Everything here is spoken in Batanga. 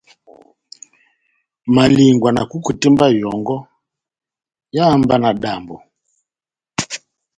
Malingwa na kukutemba yɔngɔ eháhá mba náhádambo.